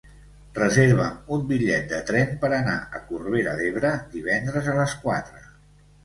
Reserva'm un bitllet de tren per anar a Corbera d'Ebre divendres a les quatre.